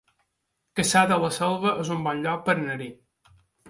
Cassà de la Selva es un bon lloc per anar-hi